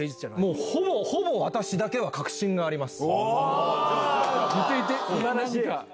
ほぼ私だけは確信があります。